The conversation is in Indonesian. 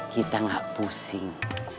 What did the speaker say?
kita gak pusing